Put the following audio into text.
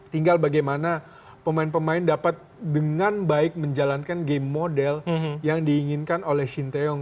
tinggal bagaimana pemain pemain dapat dengan baik menjalankan game model yang diinginkan oleh shin taeyong